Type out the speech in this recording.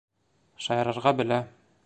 Шаярырға белә.